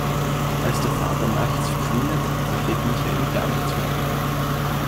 Als der Vater Nachts verschwindet, versteht Michael gar nichts mehr.